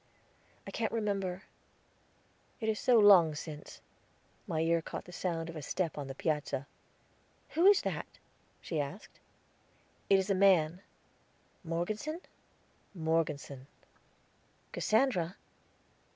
"I can't remember; it is so long since." My ear caught the sound of a step on the piazza. "Who is that?" she asked. "It is a man." "Morgeson?" "Morgeson." "Cassandra?"